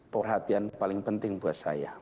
perhatian paling penting buat saya